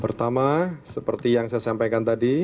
pertama seperti yang saya sampaikan tadi